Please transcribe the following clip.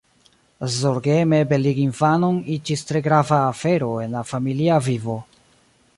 Zorgeme beligi infanon iĝis tre grava afero en la familia vivo.